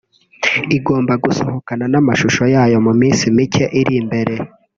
igomba gusohokana n’amashusho yayo mu minsi mike iri imbere